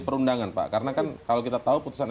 perundangan pak karena kan kalau kita tahu putusan